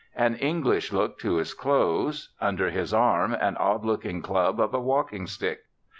An English look to his clothes. Under his arm an odd looking club of a walking stick.